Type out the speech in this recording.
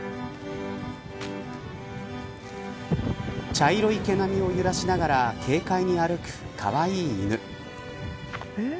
茶色い毛並みを揺らしながら軽快に歩くかわいい犬。